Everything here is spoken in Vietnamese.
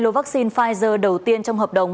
lô vaccine pfizer đầu tiên trong hợp đồng